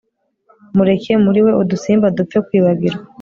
Mureke muri we udusimba dupfe kwibagirwa